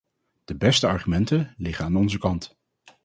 De beste argumenten liggen aan onze kant.